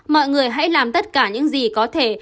mọi người hãy làm tất cả những gì có thể